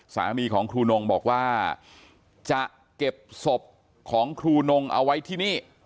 สามีของครูนงบอกว่าจะเก็บศพของครูนงเอาไว้ที่นี่